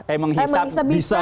eh menghisap bisanya